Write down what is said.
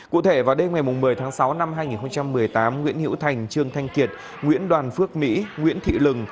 cụ thể vào đêm ngày một mươi tháng sáu năm hai nghìn một mươi tám nguyễn hữu thành trương thanh kiệt nguyễn đoàn phước mỹ nguyễn thị lừng